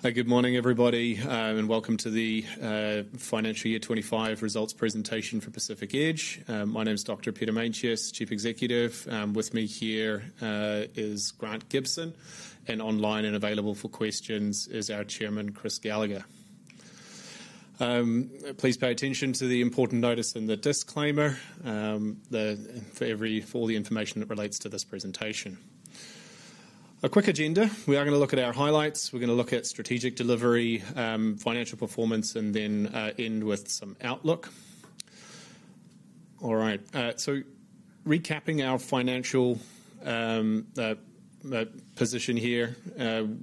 Good morning, everybody, and welcome to the Financial Year 2025 Results Presentation for Pacific Edge. My name is Dr. Peter Meintjes, Chief Executive. With me here is Grant Gibson, and online and available for questions is our Chairman, Chris Gallagher. Please pay attention to the important notice and the disclaimer for all the information that relates to this presentation. A quick agenda: we are going to look at our highlights. We're going to look at strategic delivery, financial performance, and then end with some outlook. All right, so recapping our financial position here,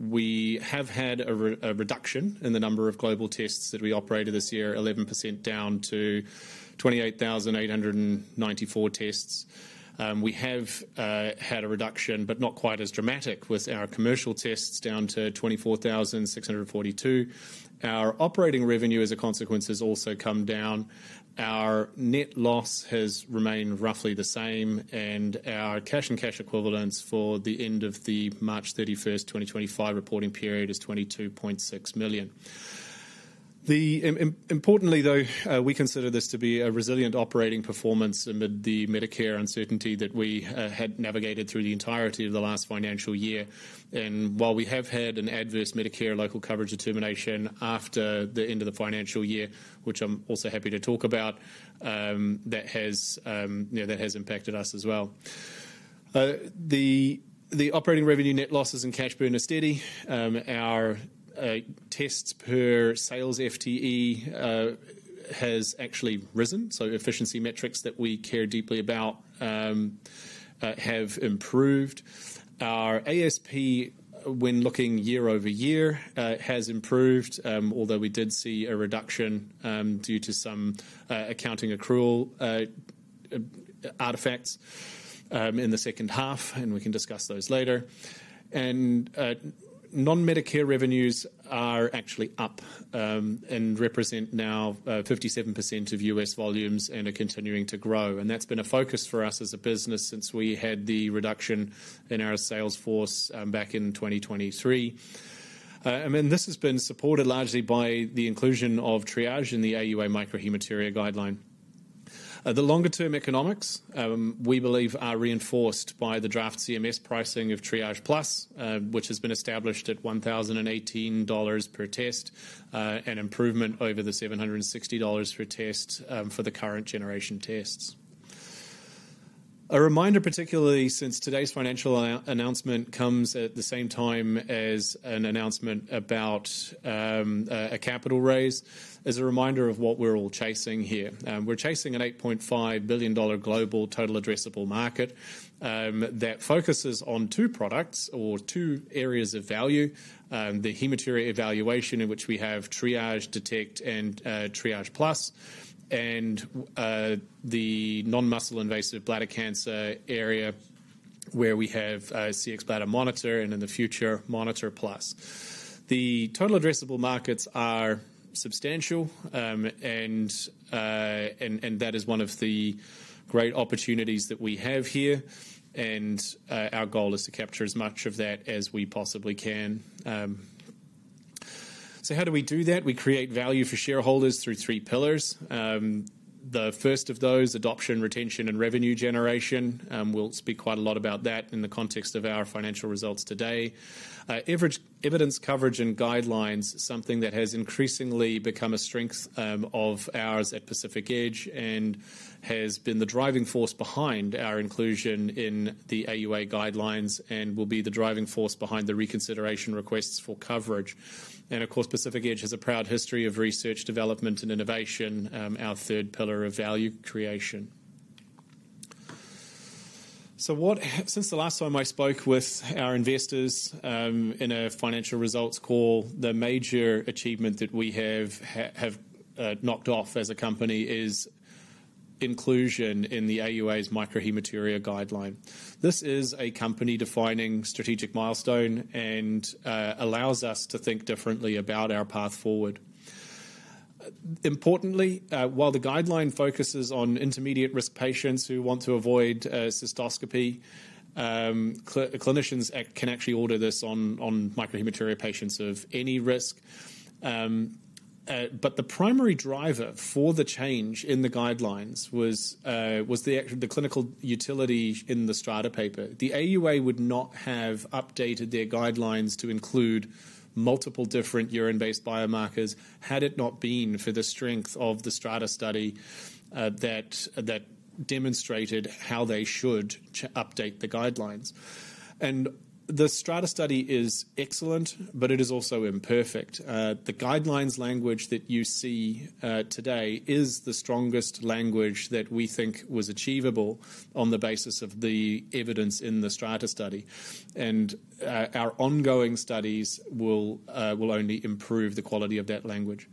we have had a reduction in the number of global tests that we operated this year, 11% down to 28,894 tests. We have had a reduction, but not quite as dramatic, with our commercial tests down to 24,642. Our operating revenue, as a consequence, has also come down. Our net loss has remained roughly the same, and our cash-on-cash equivalence for the end of the March 31, 2025 reporting period is 22.6 million. Importantly, though, we consider this to be a resilient operating performance amid the Medicare uncertainty that we had navigated through the entirety of the last financial year. While we have had an adverse Medicare local coverage determination after the end of the financial year, which I'm also happy to talk about, that has impacted us as well. The operating revenue, net losses, and cash burn are steady. Our tests per sales FTE has actually risen, so efficiency metrics that we care deeply about have improved. Our ASP, when looking year-over-year, has improved, although we did see a reduction due to some accounting accrual artifacts in the second half, and we can discuss those later. Non-Medicare revenues are actually up and represent now 57% of US volumes and are continuing to grow. That has been a focus for us as a business since we had the reduction in our sales force back in 2023. This has been supported largely by the inclusion of Triage in the AUA Microhematuria Guideline. The longer-term economics we believe are reinforced by the draft CMS pricing of Triage Plus, which has been established at $1,018 per test, an improvement over the $760 per test for the current generation tests. A reminder, particularly since today's financial announcement comes at the same time as an announcement about a capital raise, is a reminder of what we're all chasing here. We're chasing an $8.5 billion global total addressable market that focuses on two products or two areas of value: the hematuria evaluation, in which we have Triage, Detect, and Triage Plus, and the non-muscle invasive bladder cancer area, where we have Cxbladder Monitor and, in the future, Monitor Plus. The total addressable markets are substantial, and that is one of the great opportunities that we have here. Our goal is to capture as much of that as we possibly can. How do we do that? We create value for shareholders through three pillars. The first of those, adoption, retention, and revenue generation. We'll speak quite a lot about that in the context of our financial results today. Evidence coverage and guidelines, something that has increasingly become a strength of ours at Pacific Edge and has been the driving force behind our inclusion in the AUA guidelines and will be the driving force behind the reconsideration requests for coverage. Of course, Pacific Edge has a proud history of research, development, and innovation, our third pillar of value creation. Since the last time I spoke with our investors in a financial results call, the major achievement that we have knocked off as a company is inclusion in the AUA's microhematuria guideline. This is a company-defining strategic milestone and allows us to think differently about our path forward. Importantly, while the guideline focuses on intermediate risk patients who want to avoid cystoscopy, clinicians can actually order this on microhematuria patients of any risk. The primary driver for the change in the guidelines was the clinical utility in the Strata paper. The AUA would not have updated their guidelines to include multiple different urine-based biomarkers had it not been for the strength of the Strata study that demonstrated how they should update the guidelines. The Strata study is excellent, but it is also imperfect. The guidelines language that you see today is the strongest language that we think was achievable on the basis of the evidence in the Strata study. Our ongoing studies will only improve the quality of that language.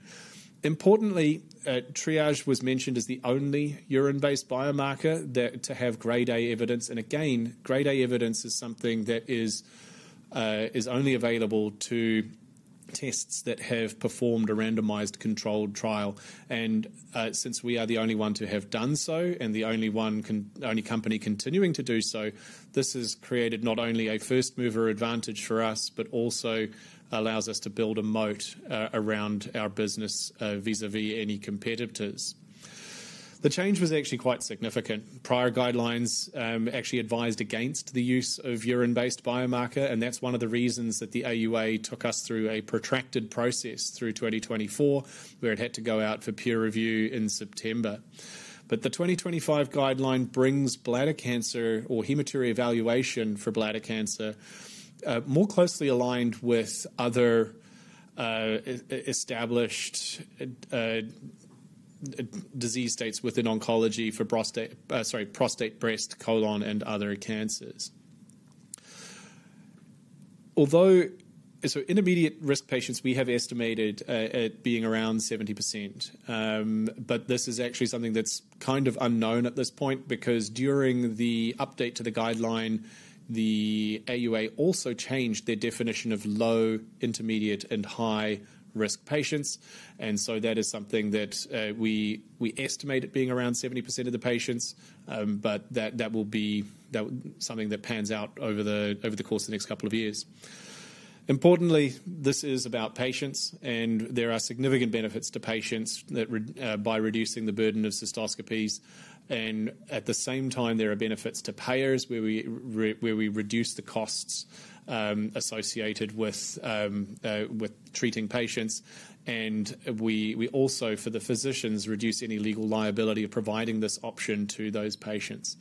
Importantly, Triage was mentioned as the only urine-based biomarker to have grade A evidence. Again, grade A evidence is something that is only available to tests that have performed a randomized controlled trial. Since we are the only one to have done so and the only company continuing to do so, this has created not only a first-mover advantage for us, but also allows us to build a moat around our business vis-à-vis any competitors. The change was actually quite significant. Prior guidelines actually advised against the use of urine-based biomarker, and that's one of the reasons that the AUA took us through a protracted process through 2024, where it had to go out for peer review in September. The 2025 guideline brings bladder cancer or hematuria evaluation for bladder cancer more closely aligned with other established disease states within oncology for prostate, sorry, prostate, breast, colon, and other cancers. Although, so intermediate risk patients, we have estimated at being around 70%. This is actually something that's kind of unknown at this point because during the update to the guideline, the AUA also changed their definition of low, intermediate, and high-risk patients. That is something that we estimate at being around 70% of the patients, but that will be something that pans out over the course of the next couple of years. Importantly, this is about patients, and there are significant benefits to patients by reducing the burden of cystoscopies. At the same time, there are benefits to payers where we reduce the costs associated with treating patients. We also, for the physicians, reduce any legal liability of providing this option to those patients.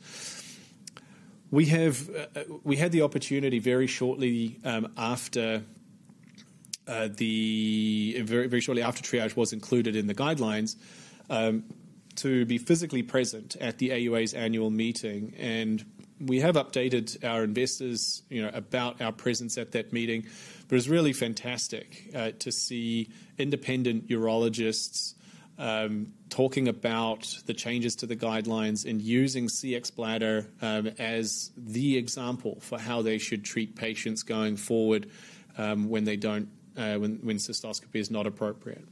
We had the opportunity very shortly after Triage was included in the guidelines to be physically present at the AUA's annual meeting. We have updated our investors about our presence at that meeting. It was really fantastic to see independent urologists talking about the changes to the guidelines and using Cxbladder as the example for how they should treat patients going forward when cystoscopy is not appropriate.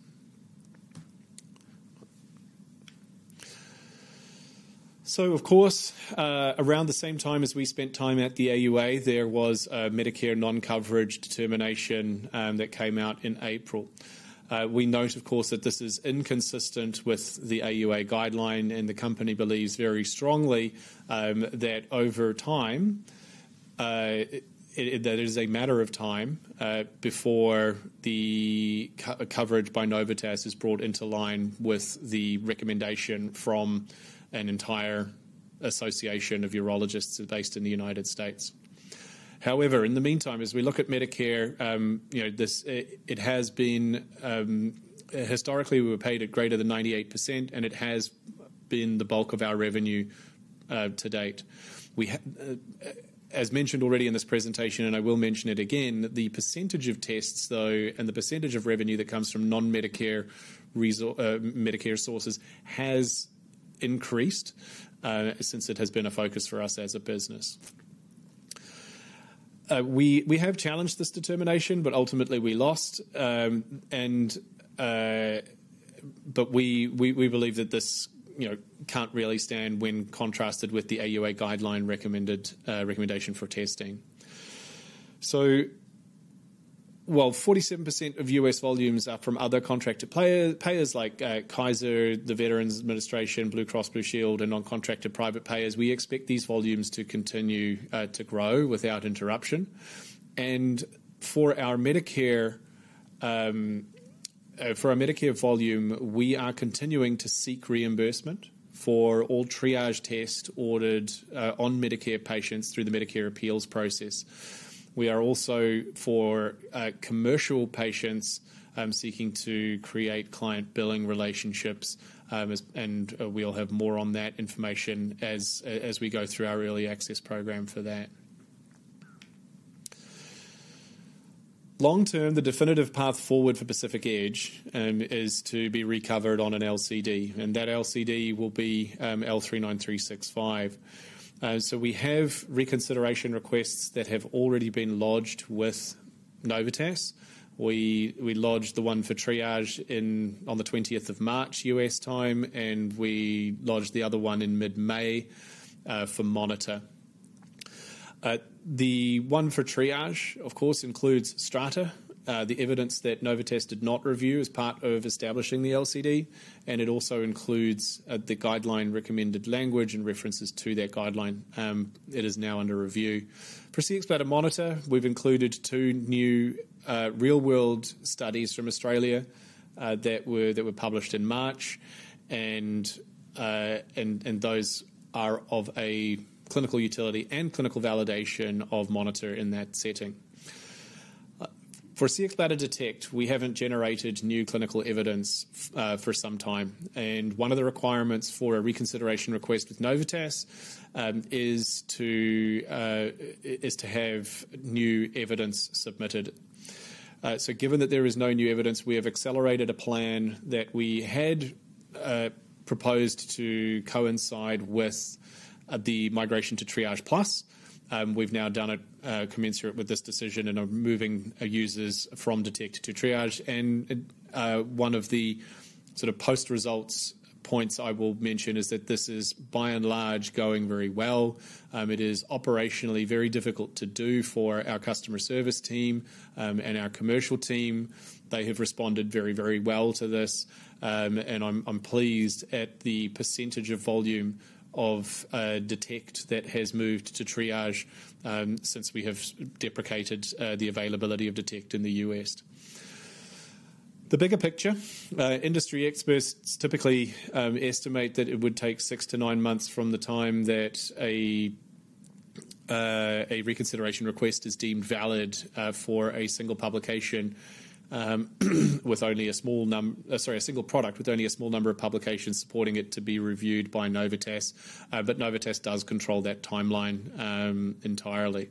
Of course, around the same time as we spent time at the AUA, there was a Medicare non-coverage determination that came out in April. We note, of course, that this is inconsistent with the AUA guideline, and the company believes very strongly that over time, it is a matter of time before the coverage by Novitas is brought into line with the recommendation from an entire association of urologists based in the United States. However, in the meantime, as we look at Medicare, it has been historically, we were paid at greater than 98%, and it has been the bulk of our revenue to date. As mentioned already in this presentation, and I will mention it again, the percentage of tests, though, and the percentage of revenue that comes from non-Medicare sources has increased since it has been a focus for us as a business. We have challenged this determination, but ultimately we lost. We believe that this can't really stand when contrasted with the AUA guideline recommended recommendation for testing. While 47% of US volumes are from other contracted payers like Kaiser, the Veterans Administration, Blue Cross, Blue Shield, and non-contracted private payers, we expect these volumes to continue to grow without interruption. For our Medicare volume, we are continuing to seek reimbursement for all Triage tests ordered on Medicare patients through the Medicare appeals process. We are also, for commercial patients, seeking to create client billing relationships, and we will have more on that information as we go through our early access program for that. Long term, the definitive path forward for Pacific Edge is to be recovered on an LCD, and that LCD will be L39365. We have reconsideration requests that have already been lodged with Novitas. We lodged the one for Triage on the 20th of March, US time, and we lodged the other one in mid-May for Monitor. The one for Triage, of course, includes Strata, the evidence that Novitas did not review as part of establishing the LCD, and it also includes the guideline recommended language and references to that guideline. It is now under review. For Cxbladder Monitor, we've included two new real-world studies from Australia that were published in March, and those are of a clinical utility and clinical validation of Monitor in that setting. For Cxbladder Detect, we haven't generated new clinical evidence for some time. One of the requirements for a reconsideration request with Novitas is to have new evidence submitted. Given that there is no new evidence, we have accelerated a plan that we had proposed to coincide with the migration to Triage Plus. We've now done a commensurate with this decision and are moving users from Detect to Triage. One of the sort of post-results points I will mention is that this is, by and large, going very well. It is operationally very difficult to do for our customer service team and our commercial team. They have responded very, very well to this, and I'm pleased at the % of volume of Detect that has moved to Triage since we have deprecated the availability of Detect in the US. The bigger picture, industry experts typically estimate that it would take six to nine months from the time that a reconsideration request is deemed valid for a single product with only a small number of publications supporting it to be reviewed by Novitas. Novitas does control that timeline entirely.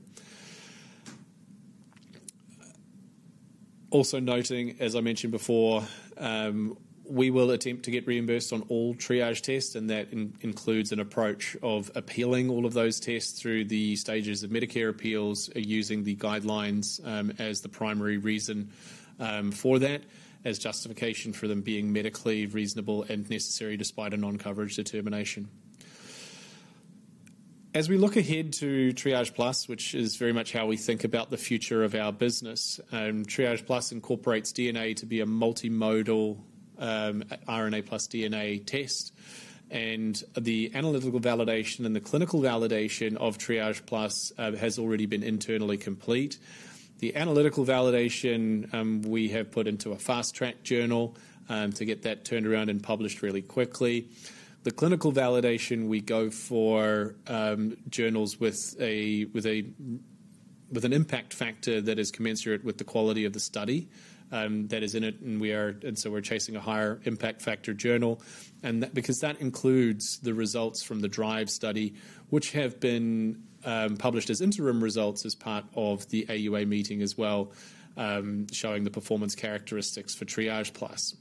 Also noting, as I mentioned before, we will attempt to get reimbursed on all Triage tests, and that includes an approach of appealing all of those tests through the stages of Medicare appeals, using the guidelines as the primary reason for that, as justification for them being medically reasonable and necessary despite a non-coverage determination. As we look ahead to Triage Plus, which is very much how we think about the future of our business, Triage Plus incorporates DNA to be a multimodal RNA plus DNA test. And the analytical validation and the clinical validation of Triage Plus has already been internally complete. The analytical validation we have put into a fast track journal to get that turned around and published really quickly. The clinical validation, we go for journals with an impact factor that is commensurate with the quality of the study that is in it, and so we're chasing a higher impact factor journal. And because that includes the results from the DRIVE study, which have been published as interim results as part of the AUA meeting as well, showing the performance characteristics for Triage Plus.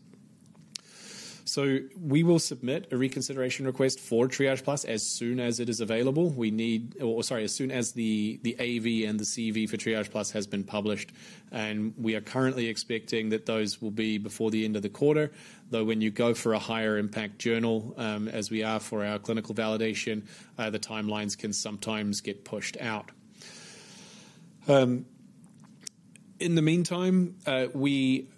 So we will submit a reconsideration request for Triage Plus as soon as it is available. We need, or sorry, as soon as the AV and the CV for Triage Plus has been published. We are currently expecting that those will be before the end of the quarter, though when you go for a higher impact journal, as we are for our clinical validation, the timelines can sometimes get pushed out. In the meantime, we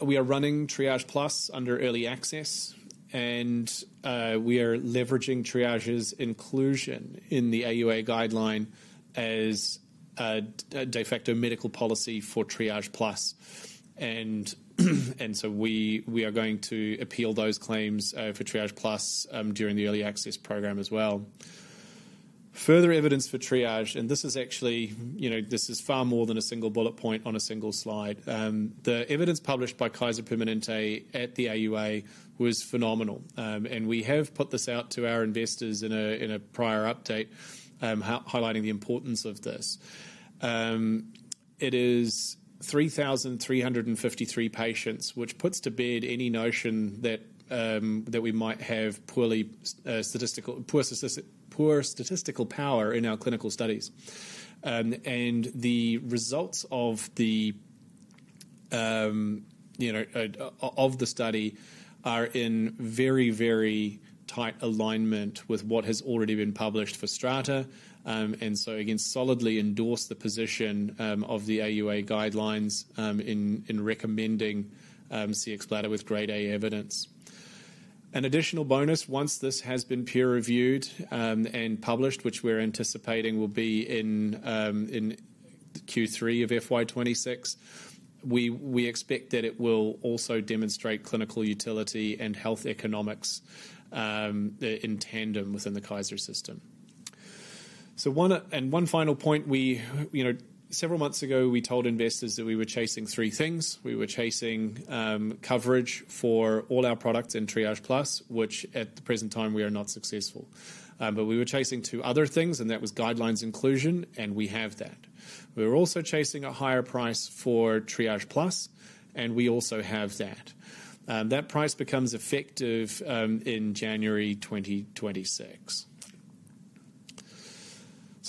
are running Triage Plus under early access, and we are leveraging Triage's inclusion in the AUA guideline as a de facto medical policy for Triage Plus. We are going to appeal those claims for Triage Plus during the early access program as well. Further evidence for Triage, and this is actually, this is far more than a single bullet point on a single slide. The evidence published by Kaiser Permanente at the AUA was phenomenal, and we have put this out to our investors in a prior update highlighting the importance of this. It is 3,353 patients, which puts to bed any notion that we might have poor statistical power in our clinical studies. The results of the study are in very, very tight alignment with what has already been published for Strata. Again, solidly endorse the position of the AUA guidelines in recommending Cxbladder with grade A evidence. An additional bonus, once this has been peer reviewed and published, which we are anticipating will be in Q3 of FY2026, we expect that it will also demonstrate clinical utility and health economics in tandem within the Kaiser system. One final point, several months ago, we told investors that we were chasing three things. We were chasing coverage for all our products in Triage Plus, which at the present time, we are not successful. But we were chasing two other things, and that was guidelines inclusion, and we have that. We were also chasing a higher price for Triage Plus, and we also have that. That price becomes effective in January 2026.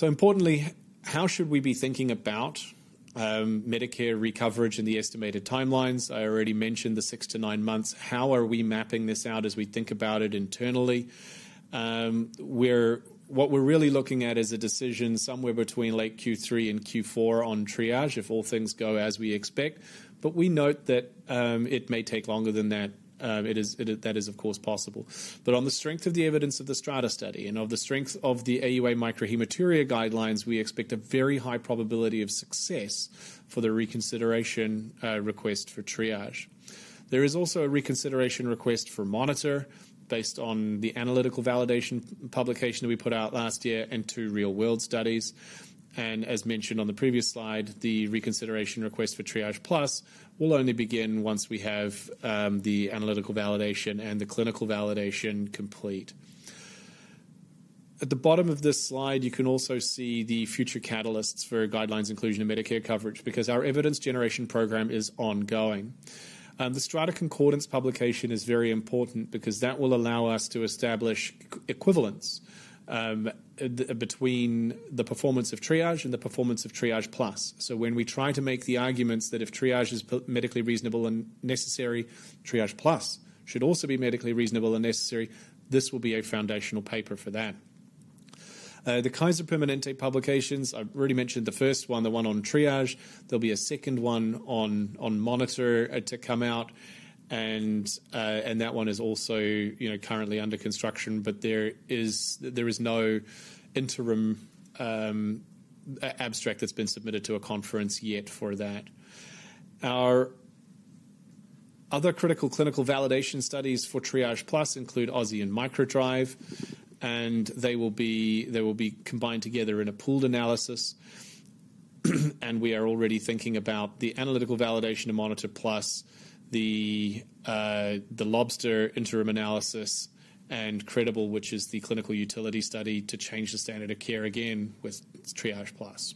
Importantly, how should we be thinking about Medicare recoverage and the estimated timelines? I already mentioned the six to nine months. How are we mapping this out as we think about it internally? What we're really looking at is a decision somewhere between late Q3 and Q4 on Triage, if all things go as we expect. We note that it may take longer than that. That is, of course, possible. On the strength of the evidence of the Strata study and of the strength of the AUA microhematuria guidelines, we expect a very high probability of success for the reconsideration request for Triage. There is also a reconsideration request for Monitor based on the analytical validation publication that we put out last year and two real-world studies. As mentioned on the previous slide, the reconsideration request for Triage Plus will only begin once we have the analytical validation and the clinical validation complete. At the bottom of this slide, you can also see the future catalysts for guidelines inclusion of Medicare coverage because our evidence generation program is ongoing. The Strata concordance publication is very important because that will allow us to establish equivalence between the performance of Triage and the performance of Triage Plus. When we try to make the arguments that if Triage is medically reasonable and necessary, Triage Plus should also be medically reasonable and necessary, this will be a foundational paper for that. The Kaiser Permanente publications, I've already mentioned the first one, the one on Triage. There will be a second one on Monitor to come out, and that one is also currently under construction, but there is no interim abstract that's been submitted to a conference yet for that. Our other critical clinical validation studies for Triage Plus include Aussie and Microdrive, and they will be combined together in a pooled analysis. We are already thinking about the analytical validation of Monitor Plus, the Lobster interim analysis, and Credible, which is the clinical utility study to change the standard of care again with Triage Plus.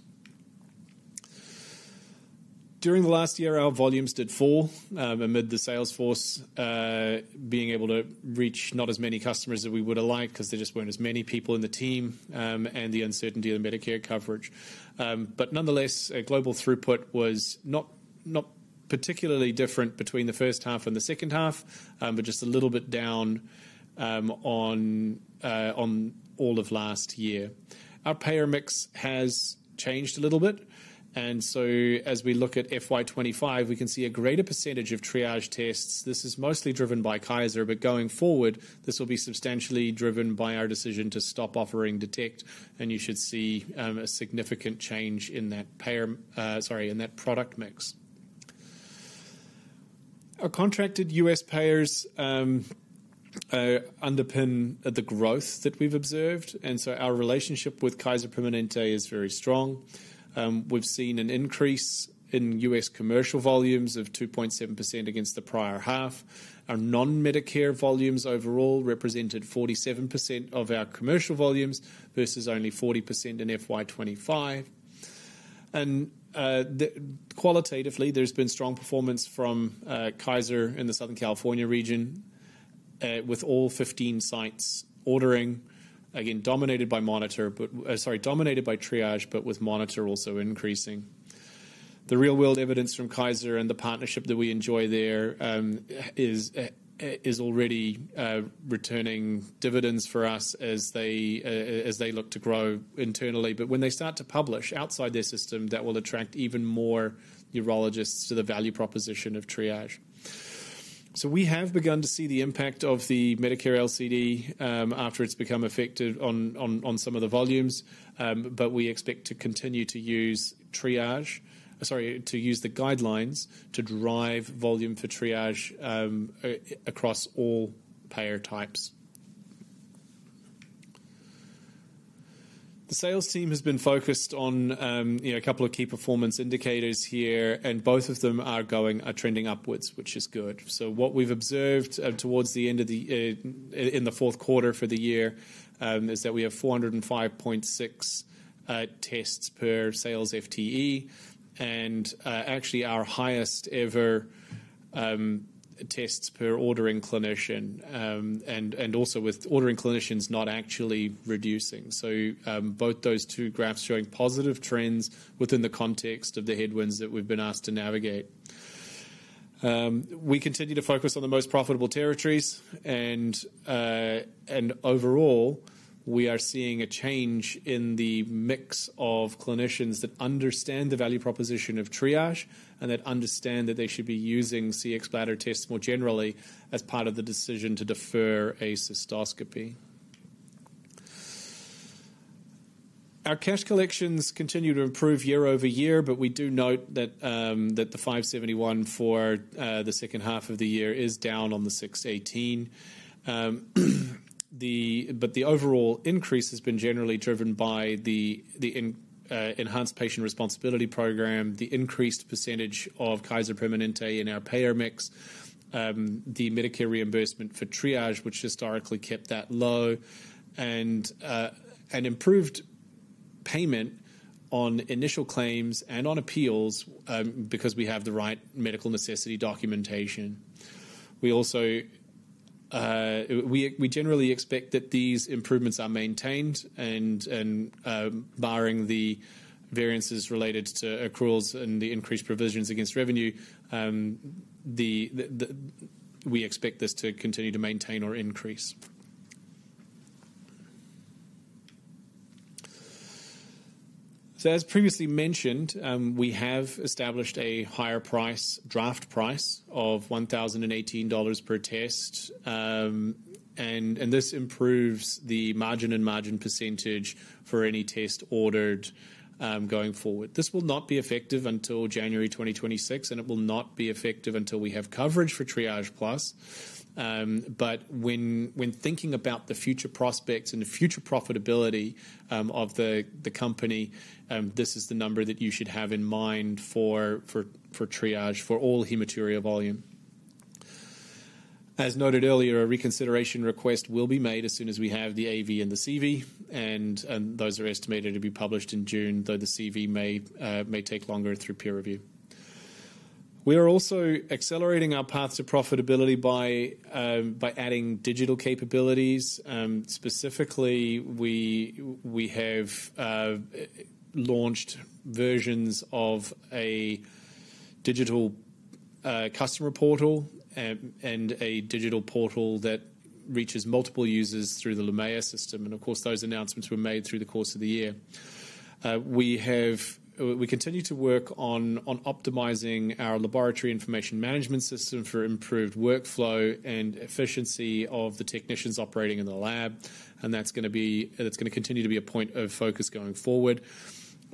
During the last year, our volumes did fall amid the sales force being able to reach not as many customers as we would have liked because there just were not as many people in the team and the uncertainty of Medicare coverage. Nonetheless, global throughput was not particularly different between the first half and the second half, but just a little bit down on all of last year. Our payer mix has changed a little bit. As we look at FY2025, we can see a greater percentage of Triage tests. This is mostly driven by Kaiser, but going forward, this will be substantially driven by our decision to stop offering Detect, and you should see a significant change in that product mix. Our contracted US payers underpin the growth that we have observed, and our relationship with Kaiser Permanente is very strong. We've seen an increase in US commercial volumes of 2.7% against the prior half. Our non-Medicare volumes overall represented 47% of our commercial volumes versus only 40% in FY2025. And qualitatively, there's been strong performance from Kaiser in the Southern California region with all 15 sites ordering, again, dominated by Triage, but sorry, dominated by Triage, but with Monitor also increasing. The real-world evidence from Kaiser and the partnership that we enjoy there is already returning dividends for us as they look to grow internally. When they start to publish outside their system, that will attract even more urologists to the value proposition of Triage. We have begun to see the impact of the Medicare LCD after it's become effective on some of the volumes, but we expect to continue to use Triage, sorry, to use the guidelines to drive volume for Triage across all payer types. The sales team has been focused on a couple of key performance indicators here, and both of them are trending upwards, which is good. What we've observed towards the end of the fourth quarter for the year is that we have 405.6 tests per sales FTE and actually our highest ever tests per ordering clinician, and also with ordering clinicians not actually reducing. Both those two graphs are showing positive trends within the context of the headwinds that we've been asked to navigate. We continue to focus on the most profitable territories, and overall, we are seeing a change in the mix of clinicians that understand the value proposition of Triage and that understand that they should be using Cxbladder tests more generally as part of the decision to defer a cystoscopy. Our cash collections continue to improve year-over-year, but we do note that the 571 for the second half of the year is down on the 618. The overall increase has been generally driven by the enhanced patient responsibility program, the increased % of Kaiser Permanente in our payer mix, the Medicare reimbursement for Triage, which historically kept that low, and improved payment on initial claims and on appeals because we have the right medical necessity documentation. We generally expect that these improvements are maintained, and barring the variances related to accruals and the increased provisions against revenue, we expect this to continue to maintain or increase. As previously mentioned, we have established a higher draft price of $1,018 per test, and this improves the margin and margin % for any test ordered going forward. This will not be effective until January 2026, and it will not be effective until we have coverage for Triage Plus. When thinking about the future prospects and the future profitability of the company, this is the number that you should have in mind for Triage for all hematuria volume. As noted earlier, a reconsideration request will be made as soon as we have the AV and the CV, and those are estimated to be published in June, though the CV may take longer through peer review. We are also accelerating our path to profitability by adding digital capabilities. Specifically, we have launched versions of a digital customer portal and a digital portal that reaches multiple users through the Lumaya system. Of course, those announcements were made through the course of the year. We continue to work on optimizing our laboratory information management system for improved workflow and efficiency of the technicians operating in the lab, and that's going to continue to be a point of focus going forward.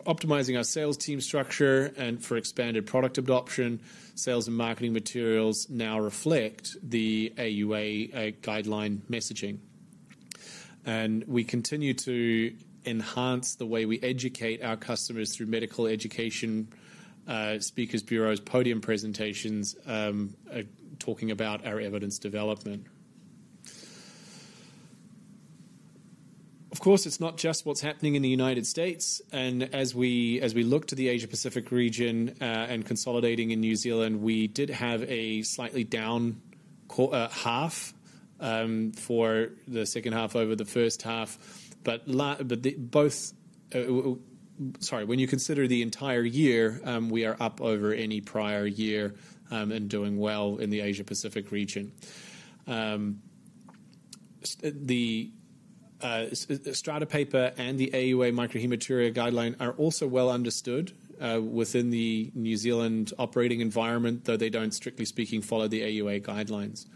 Optimizing our sales team structure and for expanded product adoption, sales and marketing materials now reflect the AUA guideline messaging. We continue to enhance the way we educate our customers through medical education, speakers' bureaus, podium presentations, talking about our evidence development. Of course, it's not just what's happening in the United States. As we look to the Asia-Pacific region and consolidating in New Zealand, we did have a slightly down half for the second half over the first half. Sorry, when you consider the entire year, we are up over any prior year and doing well in the Asia-Pacific region. The Strata paper and the AUA microhematuria guideline are also well understood within the New Zealand operating environment, though they do not, strictly speaking, follow the AUA guidelines.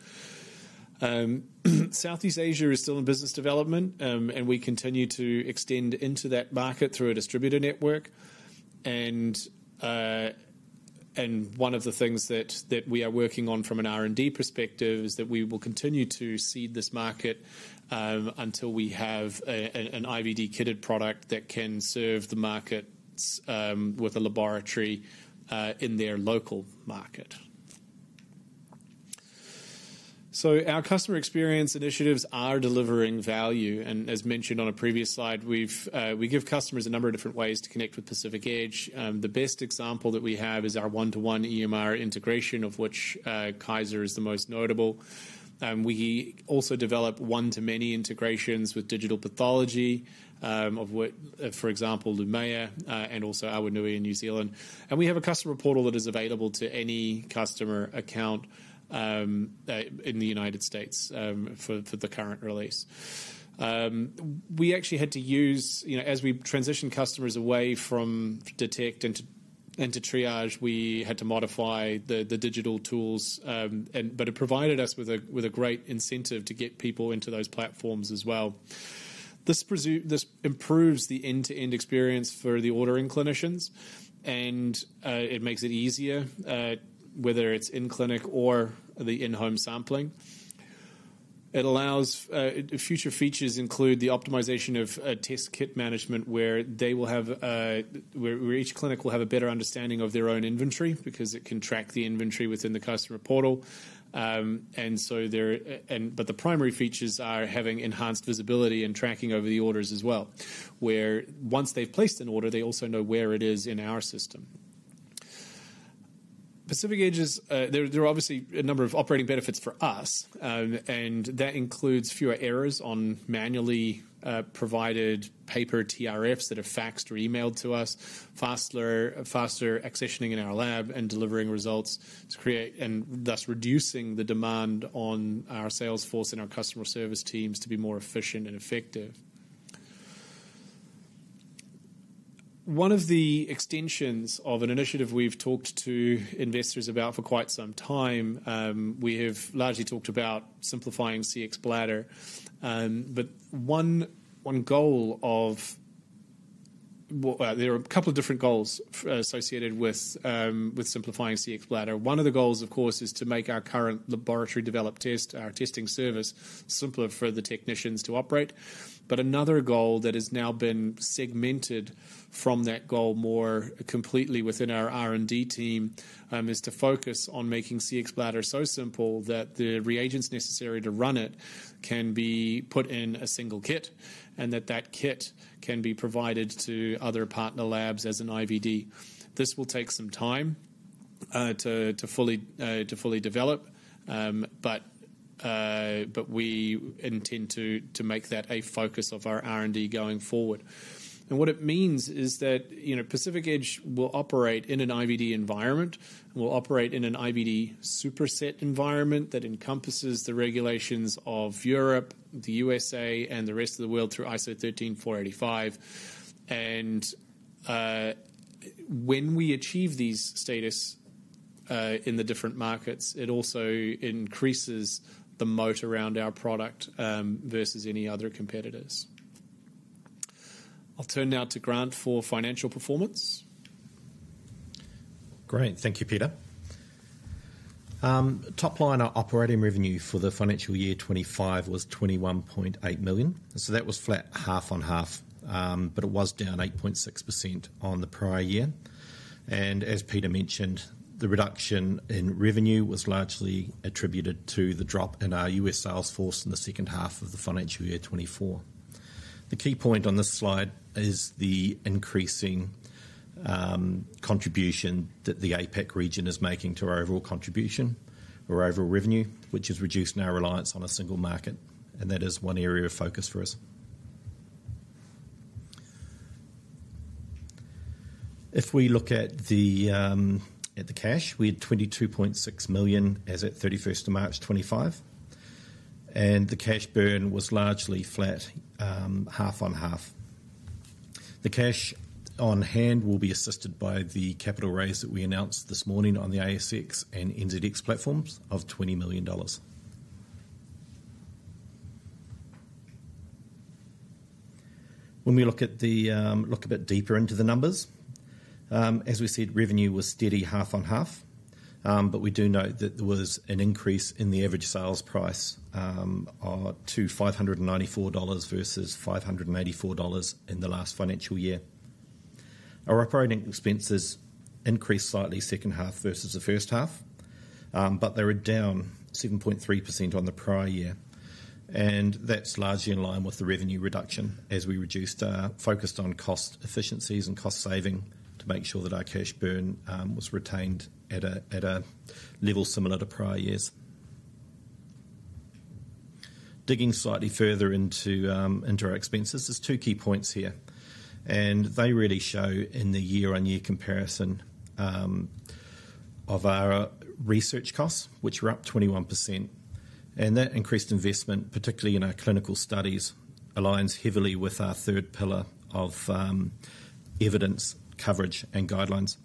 Southeast Asia is still in business development, and we continue to extend into that market through a distributor network. One of the things that we are working on from an R&D perspective is that we will continue to seed this market until we have an IVD-kitted product that can serve the markets with a laboratory in their local market. Our customer experience initiatives are delivering value. As mentioned on a previous slide, we give customers a number of different ways to connect with Pacific Edge. The best example that we have is our one-to-one EMR integration, of which Kaiser is the most notable. We also develop one-to-many integrations with digital pathology of, for example, Lumaya and also Awa Nuhi in New Zealand. We have a customer portal that is available to any customer account in the United States for the current release. We actually had to use, as we transitioned customers away from Detect and to Triage, we had to modify the digital tools, but it provided us with a great incentive to get people into those platforms as well. This improves the end-to-end experience for the ordering clinicians, and it makes it easier, whether it's in clinic or the in-home sampling. Future features include the optimization of test kit management, where each clinic will have a better understanding of their own inventory because it can track the inventory within the customer portal. The primary features are having enhanced visibility and tracking over the orders as well, where once they have placed an order, they also know where it is in our system. Pacific Edge is, there are obviously a number of operating benefits for us, and that includes fewer errors on manually provided paper TRFs that are faxed or emailed to us, faster accessioning in our lab and delivering results, and thus reducing the demand on our sales force and our customer service teams to be more efficient and effective. One of the extensions of an initiative we have talked to investors about for quite some time, we have largely talked about simplifying CXbladder. One goal of, there are a couple of different goals associated with simplifying CXbladder. One of the goals, of course, is to make our current laboratory-developed test, our testing service, simpler for the technicians to operate. Another goal that has now been segmented from that goal more completely within our R&D team is to focus on making Cxbladder so simple that the reagents necessary to run it can be put in a single kit and that that kit can be provided to other partner labs as an IVD. This will take some time to fully develop, but we intend to make that a focus of our R&D going forward. What it means is that Pacific Edge will operate in an IVD environment, will operate in an IVD superset environment that encompasses the regulations of Europe, the U.S., and the rest of the world through ISO 13485. When we achieve these status in the different markets, it also increases the moat around our product versus any other competitors. I'll turn now to Grant for financial performance. Great. Thank you, Peter. Top line operating revenue for the financial year 2025 was 21.8 million. That was flat half on half, but it was down 8.6% on the prior year. As Peter mentioned, the reduction in revenue was largely attributed to the drop in our U.S. sales force in the second half of the financial year 2024. The key point on this slide is the increasing contribution that the Asia-Pacific region is making to our overall contribution, our overall revenue, which has reduced our reliance on a single market, and that is one area of focus for us. If we look at the cash, we had 22.6 million as at 31st of March 2025, and the cash burn was largely flat, half on half. The cash on hand will be assisted by the capital raise that we announced this morning on the ASX and NZX platforms of 20 million dollars. When we look a bit deeper into the numbers, as we said, revenue was steady half on half, but we do note that there was an increase in the average sales price to $594 versus $584 in the last financial year. Our operating expenses increased slightly second half versus the first half, but they were down 7.3% on the prior year. That is largely in line with the revenue reduction as we focused on cost efficiencies and cost saving to make sure that our cash burn was retained at a level similar to prior years. Digging slightly further into our expenses, there are two key points here, and they really show in the year-on-year comparison of our research costs, which were up 21%. That increased investment, particularly in our clinical studies, aligns heavily with our third pillar of evidence, coverage, and guidelines.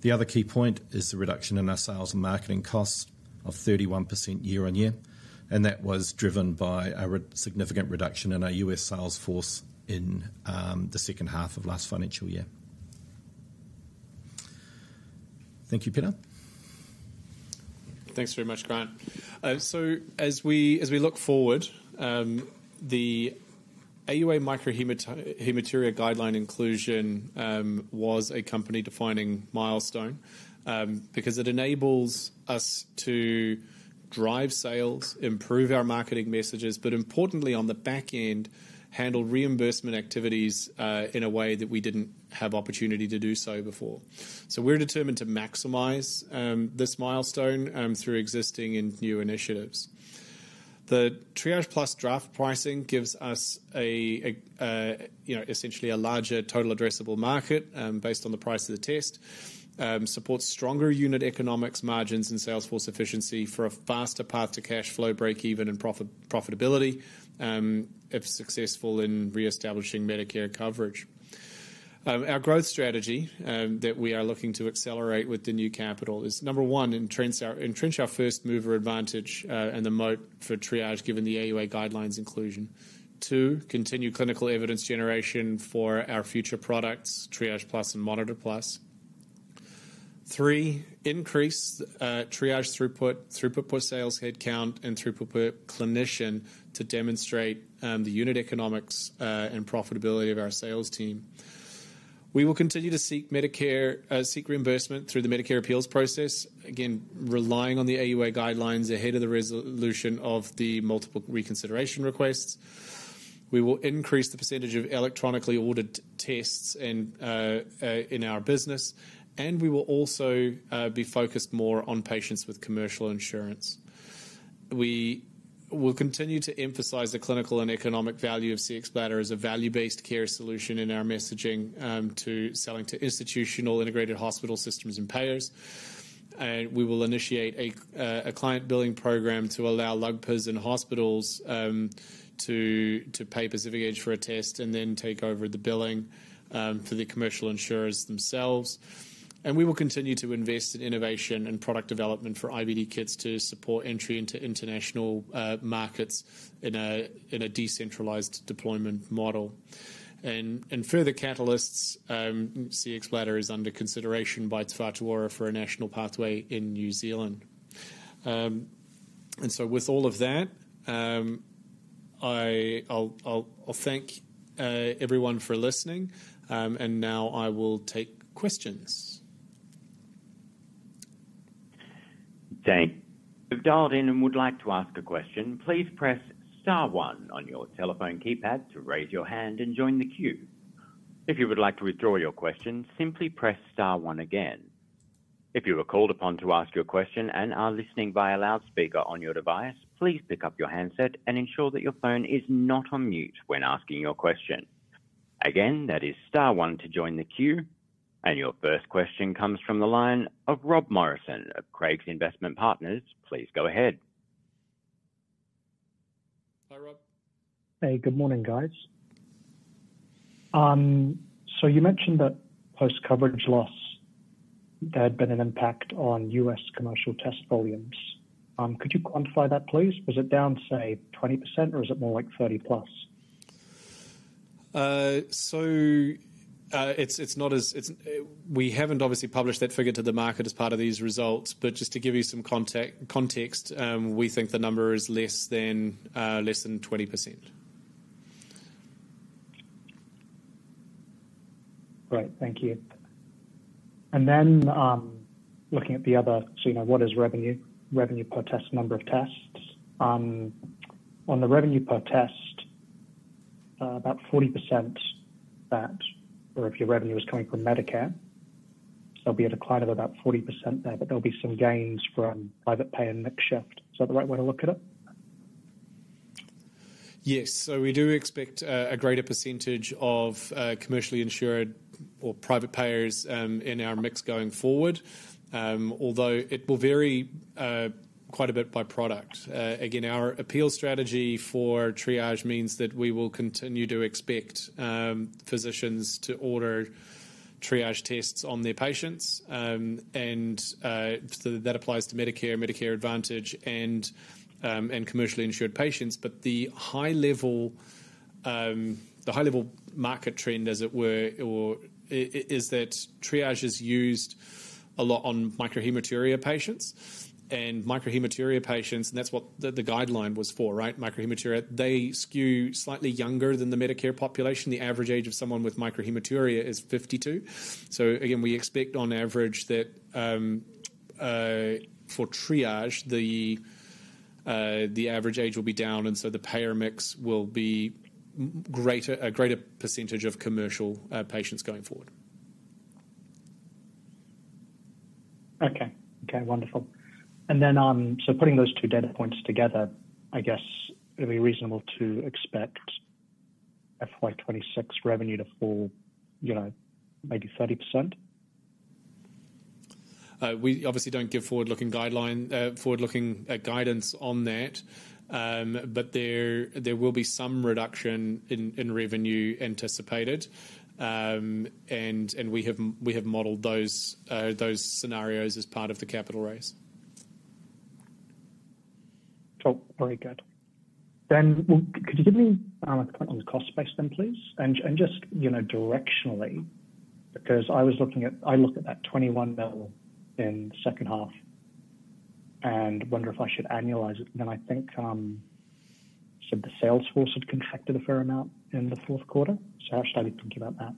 The other key point is the reduction in our sales and marketing costs of 31% year-on-year, and that was driven by a significant reduction in our US sales force in the second half of last financial year. Thank you, Peter. Thanks very much, Grant. As we look forward, the AUA microhematuria guideline inclusion was a company-defining milestone because it enables us to drive sales, improve our marketing messages, but importantly, on the back end, handle reimbursement activities in a way that we did not have opportunity to do so before. We are determined to maximize this milestone through existing and new initiatives. The Triage Plus draft pricing gives us essentially a larger total addressable market based on the price of the test, supports stronger unit economics margins and sales force efficiency for a faster path to cash flow break-even and profitability if successful in reestablishing Medicare coverage. Our growth strategy that we are looking to accelerate with the new capital is, number one, entrench our first mover advantage and the moat for Triage given the AUA guidelines inclusion. Two, continue clinical evidence generation for our future products, Triage Plus and Monitor Plus. Three, increase Triage throughput, throughput per sales headcount, and throughput per clinician to demonstrate the unit economics and profitability of our sales team. We will continue to seek reimbursement through the Medicare appeals process, again, relying on the AUA guidelines ahead of the resolution of the multiple reconsideration requests. We will increase the percentage of electronically ordered tests in our business, and we will also be focused more on patients with commercial insurance. We will continue to emphasize the clinical and economic value of Cxbladder as a value-based care solution in our messaging to selling to institutional integrated hospital systems and payers. We will initiate a client billing program to allow LUGPS and hospitals to pay Pacific Edge for a test and then take over the billing for the commercial insurers themselves. We will continue to invest in innovation and product development for IVD kits to support entry into international markets in a decentralized deployment model. Further catalysts, Cxbladder is under consideration by Te Whatu Ora for a national pathway in New Zealand. With all of that, I'll thank everyone for listening, and now I will take questions. Thanks. Have dialed in and would like to ask a question, please press star one on your telephone keypad to raise your hand and join the queue. If you would like to withdraw your question, simply press star one again. If you are called upon to ask your question and are listening via loudspeaker on your device, please pick up your handset and ensure that your phone is not on mute when asking your question. Again, that is star one to join the queue. Your first question comes from the line of Rob Morrison of Craig's Investment Partners. Please go ahead. Hi, Rob. Hey, good morning, guys. You mentioned that post-coverage loss had been an impact on US commercial test volumes. Could you quantify that, please? Was it down, say, 20%, or is it more like 30% plus? We have not obviously published that figure to the market as part of these results, but just to give you some context, we think the number is less than 20%. Great. Thank you. Then looking at the other, so what is revenue per number of tests? On the revenue per test, about 40% that, or if your revenue was coming from Medicare, there would be a decline of about 40% there, but there would be some gains from private pay and mix shift. Is that the right way to look at it? Yes. We do expect a greater percentage of commercially insured or private payers in our mix going forward, although it will vary quite a bit by product. Again, our appeal strategy for Triage means that we will continue to expect physicians to order Triage tests on their patients, and that applies to Medicare, Medicare Advantage, and commercially insured patients. The high-level market trend, as it were, is that Triage is used a lot on microhematuria patients. Microhematuria patients, and that's what the guideline was for, right? Microhematuria, they skew slightly younger than the Medicare population. The average age of someone with microhematuria is 52. We expect on average that for Triage, the average age will be down, and the payer mix will be a greater percentage of commercial patients going forward. Okay. Okay. Wonderful. And then so putting those two data points together, I guess it would be reasonable to expect FY2026 revenue to fall maybe 30%? We obviously don't give forward-looking guidance on that, but there will be some reduction in revenue anticipated, and we have modeled those scenarios as part of the capital raise. Oh, very good. Could you give me a point on the cost space then, please? Just directionally, because I look at that 21 billion in the second half and wonder if I should annualize it. I think the sales force had contracted a fair amount in the fourth quarter. How should I be thinking about that?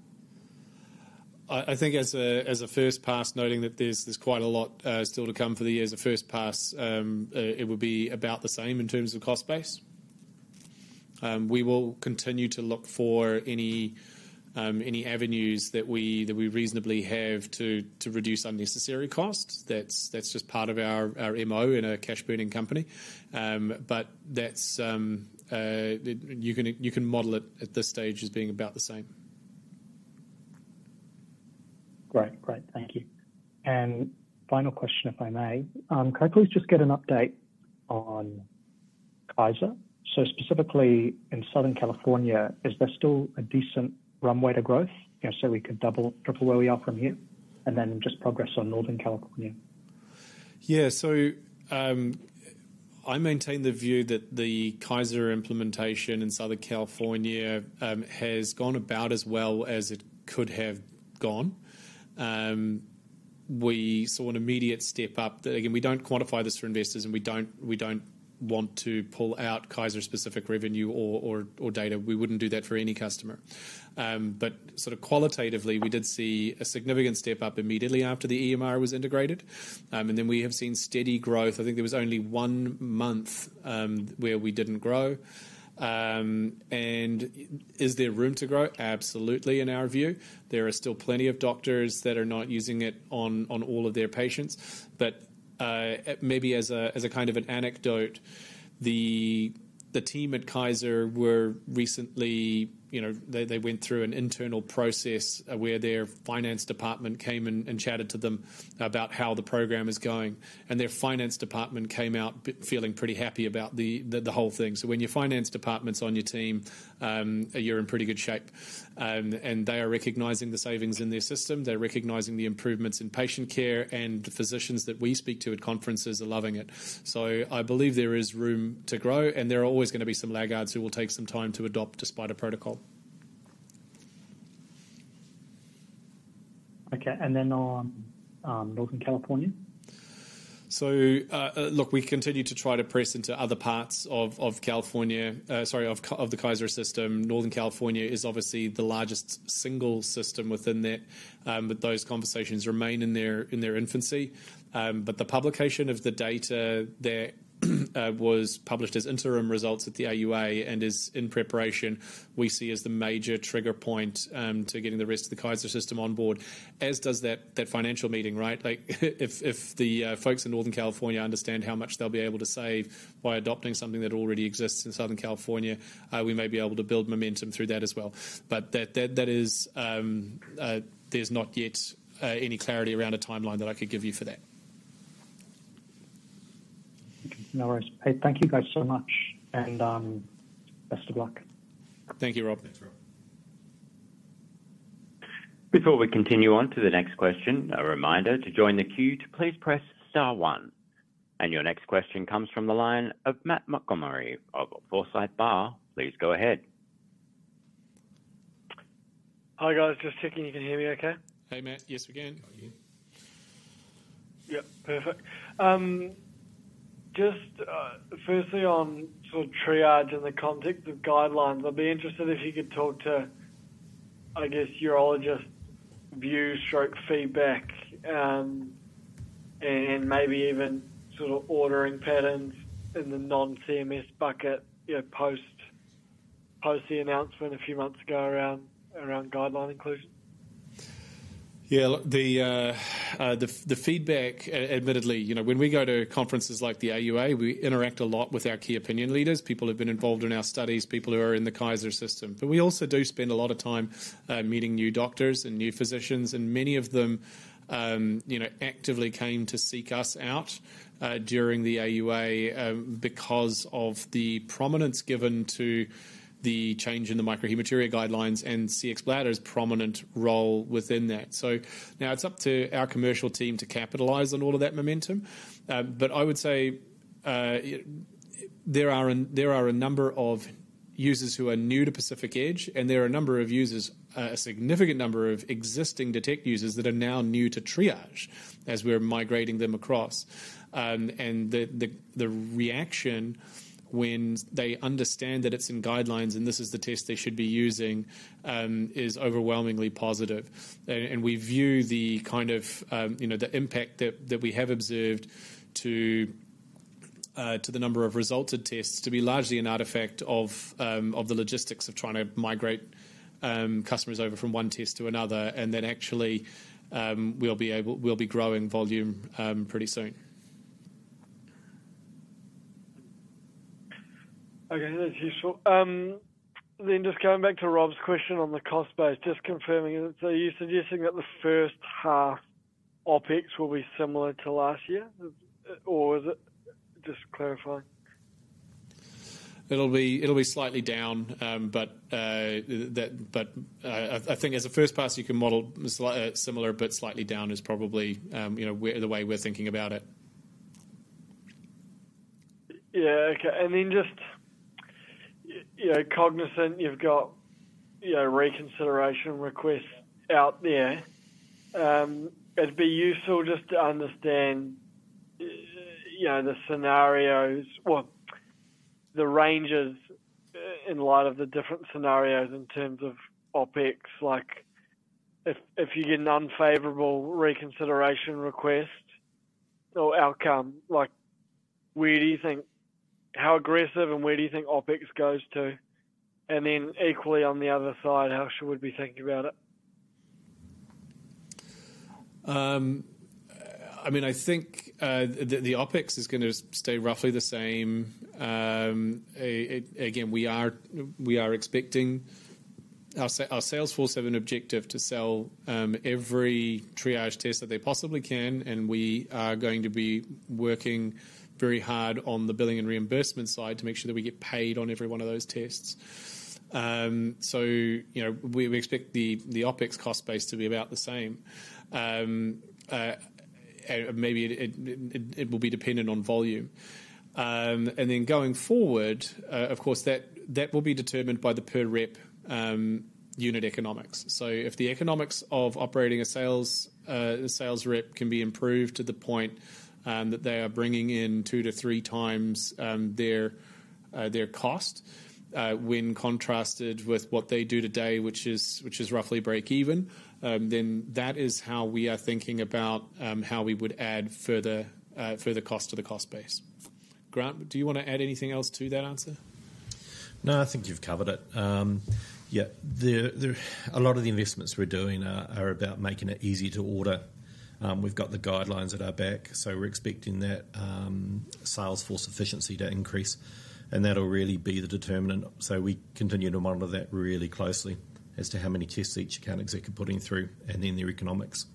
I think as a first pass, noting that there's quite a lot still to come for the year as a first pass, it would be about the same in terms of cost base. We will continue to look for any avenues that we reasonably have to reduce unnecessary costs. That's just part of our MO in a cash-burning company. You can model it at this stage as being about the same. Great. Great. Thank you. Final question, if I may. Could I please just get an update on Kaiser? Specifically in Southern California, is there still a decent runway to growth so we could triple where we are from here and then just progress on Northern California? Yeah. I maintain the view that the Kaiser implementation in Southern California has gone about as well as it could have gone. We saw an immediate step up. Again, we do not quantify this for investors, and we do not want to pull out Kaiser-specific revenue or data. We would not do that for any customer. Sort of qualitatively, we did see a significant step up immediately after the EMR was integrated. We have seen steady growth. I think there was only one month where we did not grow. Is there room to grow? Absolutely, in our view. There are still plenty of doctors that are not using it on all of their patients. Maybe as a kind of an anecdote, the team at Kaiser were recently, they went through an internal process where their finance department came and chatted to them about how the program is going. Their finance department came out feeling pretty happy about the whole thing. When your finance department's on your team, you're in pretty good shape. They are recognizing the savings in their system. They're recognizing the improvements in patient care, and the physicians that we speak to at conferences are loving it. I believe there is room to grow, and there are always going to be some laggards who will take some time to adopt despite a protocol. Okay. And then on Northern California? Look, we continue to try to press into other parts of California, sorry, of the Kaiser system. Northern California is obviously the largest single system within that, but those conversations remain in their infancy. The publication of the data there was published as interim results at the AUA and is in preparation. We see that as the major trigger point to getting the rest of the Kaiser system on board, as does that financial meeting, right? If the folks in Northern California understand how much they'll be able to save by adopting something that already exists in Southern California, we may be able to build momentum through that as well. There is not yet any clarity around a timeline that I could give you for that. No worries. Hey, thank you guys so much, and best of luck. Thank you, Rob. Thanks, Rob. Before we continue on to the next question, a reminder to join the queue, please press star one. Your next question comes from the line of Matt Montgomery of Foresight Partners. Please go ahead. Hi guys, just checking you can hear me okay? Hey, Matt. Yes, we can. Are you? Yep. Perfect. Just firstly, on sort of triage in the context of guidelines, I'd be interested if you could talk to, I guess, urologist view/feedback and maybe even sort of ordering patterns in the non-CMS bucket post the announcement a few months ago around guideline inclusion. Yeah. The feedback, admittedly, when we go to conferences like the AUA, we interact a lot with our key opinion leaders, people who have been involved in our studies, people who are in the Kaiser system. We also do spend a lot of time meeting new doctors and new physicians, and many of them actively came to seek us out during the AUA because of the prominence given to the change in the microhematuria guidelines and Cxbladder's prominent role within that. Now it's up to our commercial team to capitalize on all of that momentum. I would say there are a number of users who are new to Pacific Edge, and there are a number of users, a significant number of existing Detect users that are now new to Triage as we're migrating them across. The reaction when they understand that it's in guidelines and this is the test they should be using is overwhelmingly positive. We view the kind of impact that we have observed to the number of resulted tests to be largely an artifact of the logistics of trying to migrate customers over from one test to another, and then actually we'll be growing volume pretty soon. Okay. Then just going back to Rob's question on the cost base, just confirming, are you suggesting that the first half OpEx will be similar to last year, or is it just clarifying? It'll be slightly down, but I think as a first pass, you can model similar, but slightly down is probably the way we're thinking about it. Yeah. Okay. And then just cognizant you've got reconsideration requests out there, it'd be useful just to understand the scenarios, well, the ranges in light of the different scenarios in terms of OpEx. If you get an unfavorable reconsideration request or outcome, where do you think how aggressive and where do you think OpEx goes to? And then equally on the other side, how should we be thinking about it? I mean, I think the OpEx is going to stay roughly the same. Again, we are expecting our sales force have an objective to sell every Triage test that they possibly can, and we are going to be working very hard on the billing and reimbursement side to make sure that we get paid on every one of those tests. We expect the OpEx cost base to be about the same. Maybe it will be dependent on volume. Going forward, of course, that will be determined by the per rep unit economics. If the economics of operating a sales rep can be improved to the point that they are bringing in two to three times their cost when contrasted with what they do today, which is roughly break even, then that is how we are thinking about how we would add further cost to the cost base. Grant, do you want to add anything else to that answer? No, I think you've covered it. Yeah. A lot of the investments we're doing are about making it easy to order. We've got the guidelines at our back, so we're expecting that sales force efficiency to increase, and that'll really be the determinant. We continue to monitor that really closely as to how many tests each account exec is putting through and then their economics.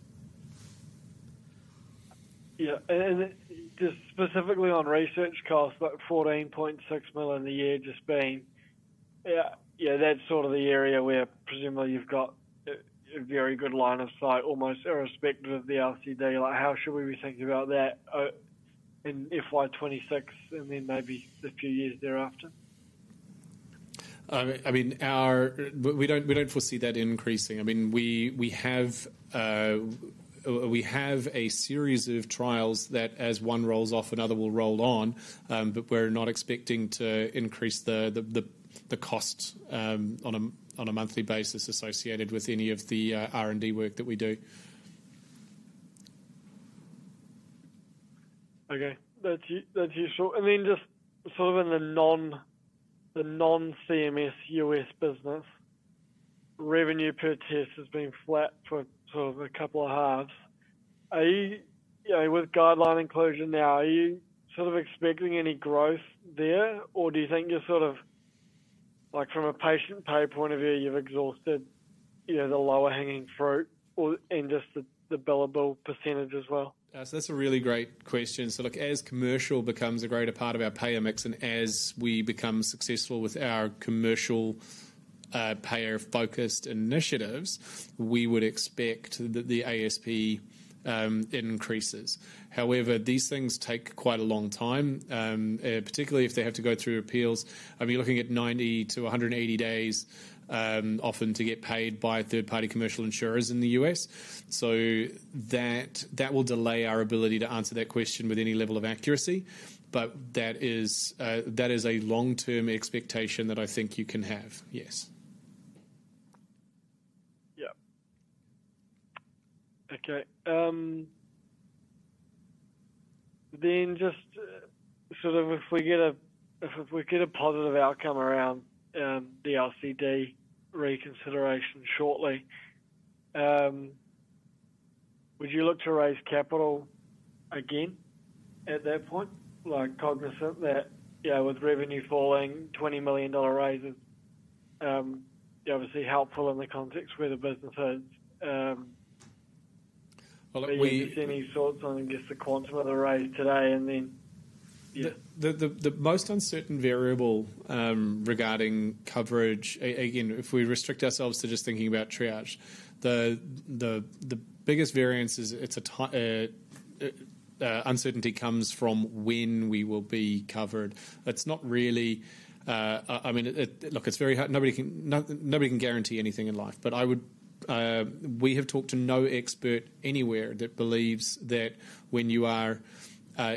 Yeah. And just specifically on research costs, like $14.6 million a year just being, yeah, that's sort of the area where presumably you've got a very good line of sight almost irrespective of the RCD. How should we be thinking about that in FY2026 and then maybe a few years thereafter? I mean, we do not foresee that increasing. I mean, we have a series of trials that as one rolls off, another will roll on, but we are not expecting to increase the cost on a monthly basis associated with any of the R&D work that we do. Okay. That's useful. Just sort of in the non-CMS US business, revenue per test has been flat for sort of a couple of halves. With guideline inclusion now, are you sort of expecting any growth there, or do you think you're sort of from a patient pay point of view, you've exhausted the lower-hanging fruit and just the billable percentage as well? That's a really great question. Look, as commercial becomes a greater part of our payer mix and as we become successful with our commercial payer-focused initiatives, we would expect that the ASP increases. However, these things take quite a long time, particularly if they have to go through appeals. I mean, you're looking at 90-180 days often to get paid by third-party commercial insurers in the U.S. That will delay our ability to answer that question with any level of accuracy, but that is a long-term expectation that I think you can have. Yes. Yeah. Okay. Then just sort of if we get a positive outcome around the RCD reconsideration shortly, would you look to raise capital again at that point? Cognizant that with revenue falling, 20 million dollar raise is obviously helpful in the context where the business is. Look, we. We just didn't see any sorts on just the quantum of the raise today, and then. Yeah. The most uncertain variable regarding coverage, again, if we restrict ourselves to just thinking about Triage, the biggest variance is uncertainty comes from when we will be covered. That's not really, I mean, look, nobody can guarantee anything in life, but we have talked to no expert anywhere that believes that when you are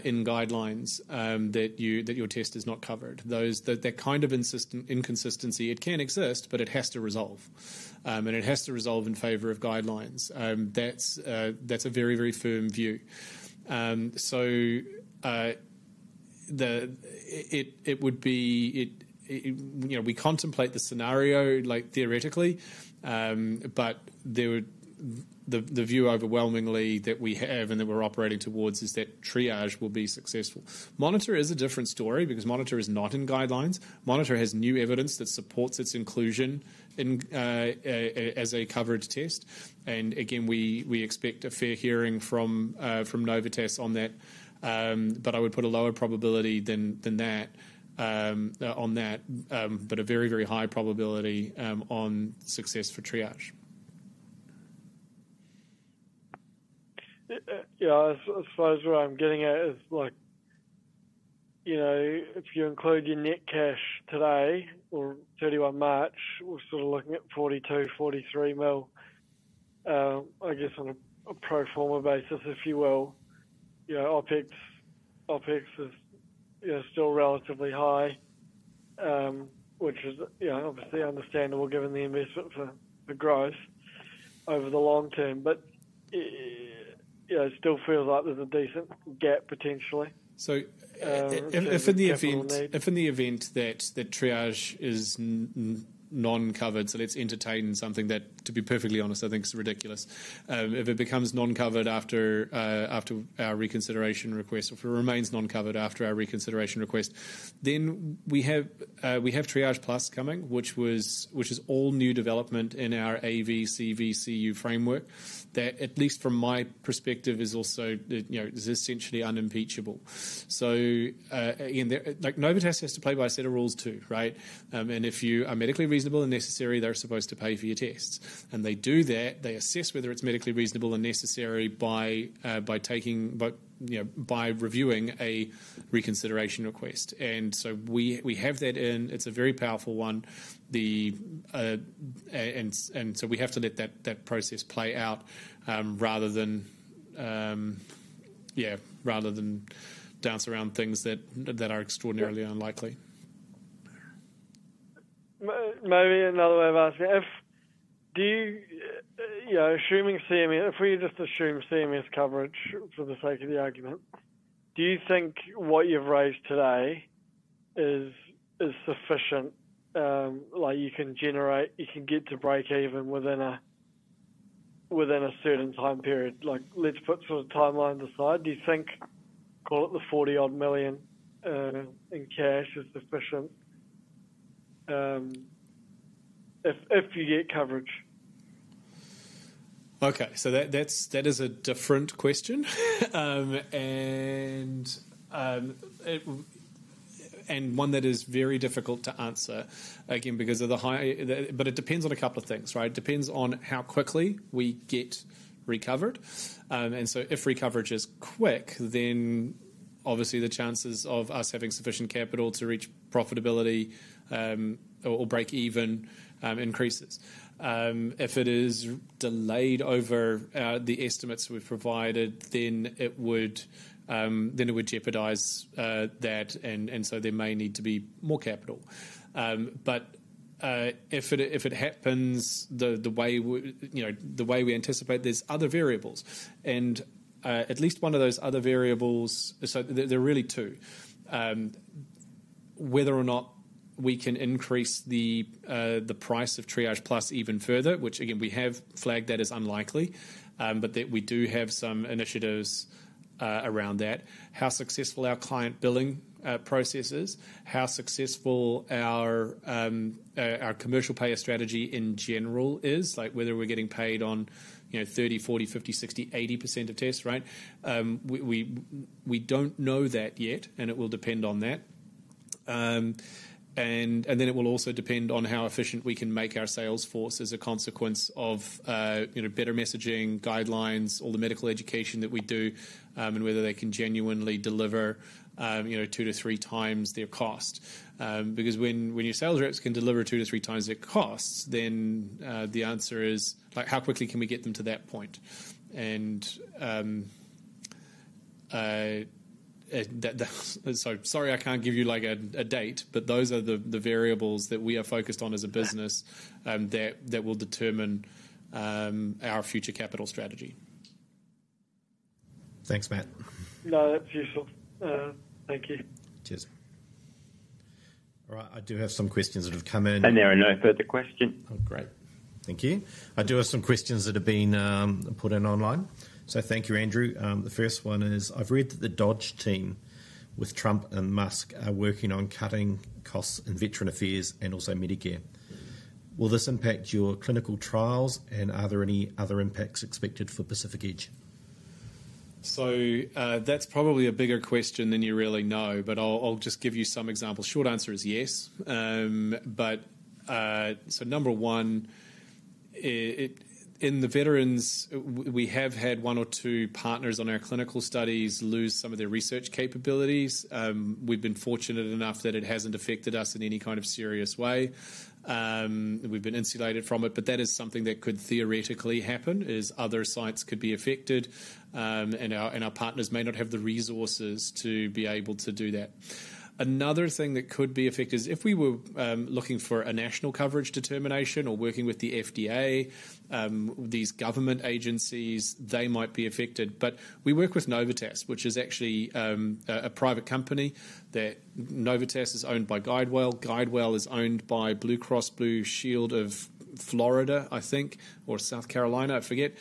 in guidelines, that your test is not covered. That kind of inconsistency, it can exist, but it has to resolve. It has to resolve in favor of guidelines. That's a very, very firm view. It would be, we contemplate the scenario theoretically, but the view overwhelmingly that we have and that we're operating towards is that Triage will be successful. Monitor is a different story because Monitor is not in guidelines. Monitor has new evidence that supports its inclusion as a coverage test. Again, we expect a fair hearing from Novitas on that, but I would put a lower probability than that on that, but a very, very high probability on success for Triage. Yeah. I suppose what I'm getting at is if you include your net cash today or 31 March, we're sort of looking at 42 million-43 million, I guess on a pro forma basis, if you will. OpEx is still relatively high, which is obviously understandable given the investment for growth over the long term, but it still feels like there's a decent gap potentially. If in the event that Triage is non-covered, let's entertain something that, to be perfectly honest, I think is ridiculous. If it becomes non-covered after our reconsideration request, if it remains non-covered after our reconsideration request, then we have Triage Plus coming, which is all new development in our AVCVCU framework that, at least from my perspective, is also essentially unimpeachable. NovaTest has to play by a set of rules too, right? If you are medically reasonable and necessary, they are supposed to pay for your tests. They do that. They assess whether it is medically reasonable and necessary by reviewing a reconsideration request. We have that in. It is a very powerful one. We have to let that process play out rather than dance around things that are extraordinarily unlikely. Maybe another way of asking, assuming CMS, if we just assume CMS coverage for the sake of the argument, do you think what you've raised today is sufficient? You can get to break even within a certain time period. Let's put sort of timelines aside. Do you think, call it the 40 million-odd in cash is sufficient if you get coverage? Okay. That is a different question and one that is very difficult to answer, again, because of the high, but it depends on a couple of things, right? It depends on how quickly we get recovered. If recoverage is quick, then obviously the chances of us having sufficient capital to reach profitability or break even increases. If it is delayed over the estimates we have provided, then it would jeopardize that, and there may need to be more capital. If it happens the way we anticipate, there are other variables. At least one of those other variables, so there are really two, whether or not we can increase the price of Triage Plus even further, which, again, we have flagged that as unlikely, but we do have some initiatives around that. How successful our client billing process is, how successful our commercial payer strategy in general is, like whether we're getting paid on 30%, 40%, 50%, 60%, 80% of tests, right? We don't know that yet, and it will depend on that. It will also depend on how efficient we can make our sales force as a consequence of better messaging, guidelines, all the medical education that we do, and whether they can genuinely deliver two to three times their cost. Because when your sales reps can deliver two to three times their costs, then the answer is, how quickly can we get them to that point? Sorry, I can't give you a date, but those are the variables that we are focused on as a business that will determine our future capital strategy. Thanks, Matt. No, that's useful. Thank you. Cheers. All right. I do have some questions that have come in. There are no further questions. Oh, great. Thank you. I do have some questions that have been put in online. Thank you, Andrew. The first one is, I've read that the DOGE team with Trump and Musk are working on cutting costs in veteran affairs and also Medicare. Will this impact your clinical trials, and are there any other impacts expected for Pacific Edge? That's probably a bigger question than you really know, but I'll just give you some examples. Short answer is yes. Number one, in the veterans, we have had one or two partners on our clinical studies lose some of their research capabilities. We've been fortunate enough that it hasn't affected us in any kind of serious way. We've been insulated from it, but that is something that could theoretically happen, is other sites could be affected, and our partners may not have the resources to be able to do that. Another thing that could be affected is if we were looking for a national coverage determination or working with the FDA, these government agencies, they might be affected. We work with Novitas, which is actually a private company. Novitas is owned by GuideWell. GuideWell is owned by Blue Cross Blue Shield of Florida, I think, or South Carolina, I forget.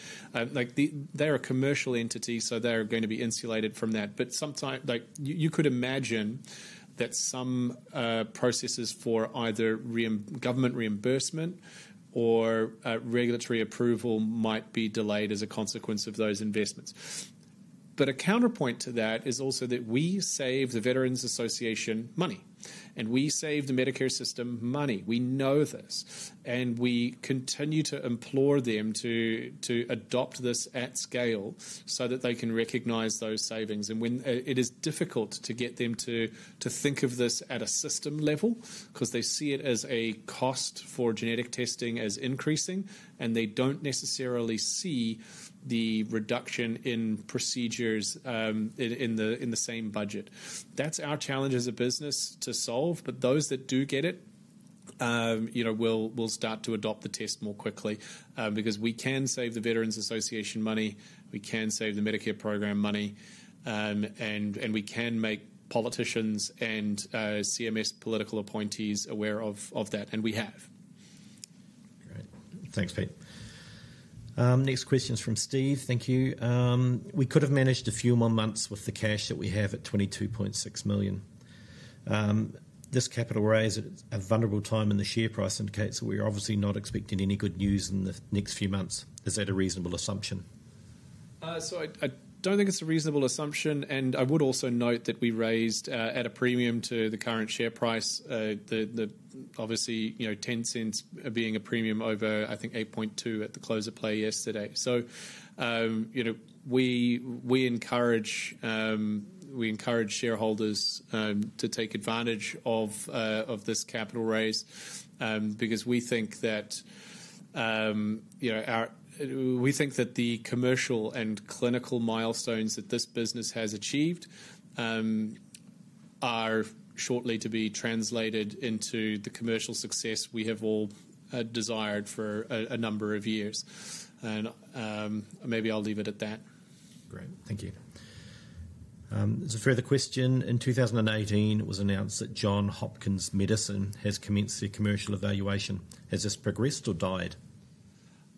They're a commercial entity, so they're going to be insulated from that. You could imagine that some processes for either government reimbursement or regulatory approval might be delayed as a consequence of those investments. A counterpoint to that is also that we save the Veterans Administration money, and we save the Medicare system money. We know this, and we continue to implore them to adopt this at scale so that they can recognize those savings. It is difficult to get them to think of this at a system level because they see it as a cost for genetic testing as increasing, and they do not necessarily see the reduction in procedures in the same budget. That's our challenge as a business to solve, but those that do get it will start to adopt the test more quickly because we can save the Veterans Administration money, we can save the Medicare program money, and we can make politicians and CMS political appointees aware of that, and we have. Great. Thanks, Pete. Next question is from Steve. Thank you. We could have managed a few more months with the cash that we have at 22.6 million. This capital raise, a vulnerable time in the share price, indicates that we're obviously not expecting any good news in the next few months. Is that a reasonable assumption? I do not think it is a reasonable assumption, and I would also note that we raised at a premium to the current share price, obviously $0.10 being a premium over, I think, $0.082 at the close of play yesterday. We encourage shareholders to take advantage of this capital raise because we think that the commercial and clinical milestones that this business has achieved are shortly to be translated into the commercial success we have all desired for a number of years. Maybe I will leave it at that. Great. Thank you. There is a further question. In 2018, it was announced that Johns Hopkins Medicine has commenced their commercial evaluation. Has this progressed or died?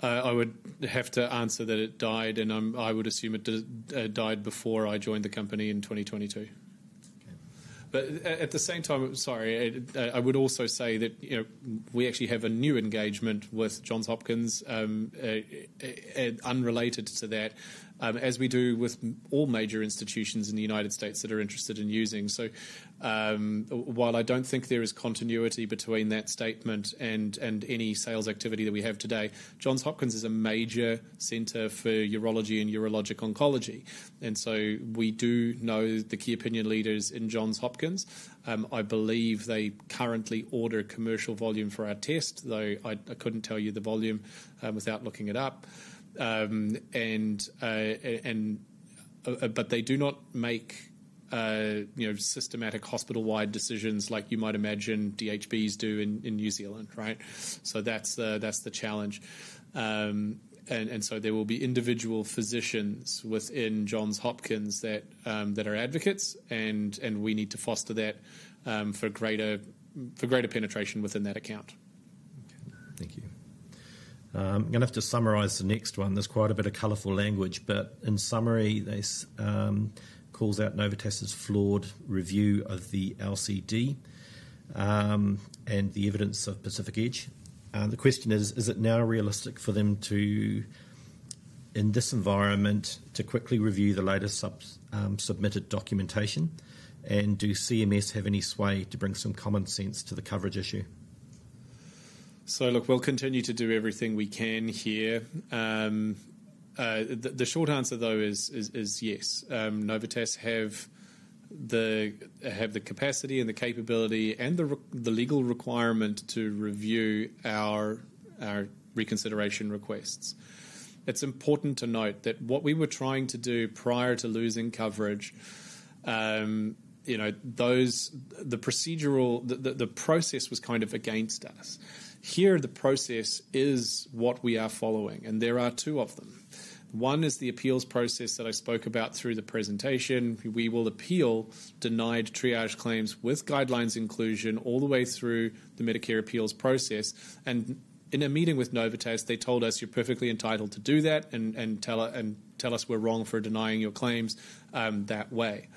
I would have to answer that it died, and I would assume it died before I joined the company in 2022. At the same time, sorry, I would also say that we actually have a new engagement with Johns Hopkins unrelated to that, as we do with all major institutions in the United States that are interested in using. While I do not think there is continuity between that statement and any sales activity that we have today, Johns Hopkins is a major center for urology and urologic oncology. We do know the key opinion leaders in Johns Hopkins. I believe they currently order commercial volume for our test, though I could not tell you the volume without looking it up. They do not make systematic hospital-wide decisions like you might imagine DHBs do in New Zealand, right? That is the challenge. There will be individual physicians within Johns Hopkins that are advocates, and we need to foster that for greater penetration within that account. Thank you. I'm going to have to summarize the next one. There's quite a bit of colorful language, but in summary, this calls out Novitas's flawed review of the LCD and the evidence of Pacific Edge. The question is, is it now realistic for them to, in this environment, quickly review the latest submitted documentation, and do CMS have any sway to bring some common sense to the coverage issue? Look, we'll continue to do everything we can here. The short answer, though, is yes. Novitas have the capacity and the capability and the legal requirement to review our reconsideration requests. It's important to note that what we were trying to do prior to losing coverage, the procedural process was kind of against us. Here, the process is what we are following, and there are two of them. One is the appeals process that I spoke about through the presentation. We will appeal denied Triage claims with guidelines inclusion all the way through the Medicare appeals process. In a meeting with Novitas, they told us, "You're perfectly entitled to do that and tell us we're wrong for denying your claims that way."